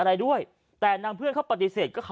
ชาวบ้านญาติโปรดแค้นไปดูภาพบรรยากาศขณะ